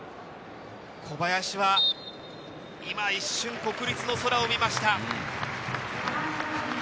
小林は今、一瞬、国立の空を見ました。